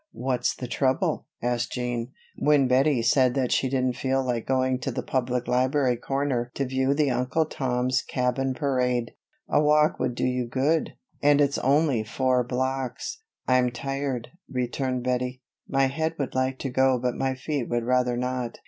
"What's the trouble?" asked Jean, when Bettie said that she didn't feel like going to the Public Library corner to view the Uncle Tom's Cabin parade. "A walk would do you good, and it's only four blocks." "I'm tired," returned Bettie. "My head would like to go but my feet would rather not.